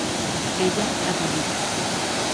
ella ha vivido